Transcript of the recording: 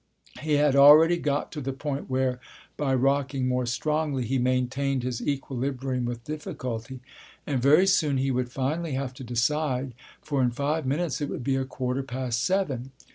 He had already got to the point where, by rocking more strongly, he maintained his equilibrium with difficulty, and very soon he would finally have to decide, for in five minutes it would be a quarter past seven.